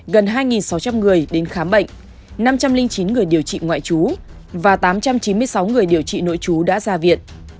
gần hai sáu trăm linh người đến khám bệnh năm trăm linh chín người điều trị ngoại trú và tám trăm chín mươi sáu người điều trị nội chú đã ra viện